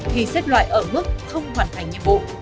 thì xét loại ở mức không hoàn thành nhiệm vụ